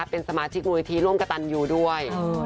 เป็นสมาชิกมูลทีร่วมกับตันอยู่ด้วย